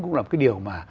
cũng là một cái điều mà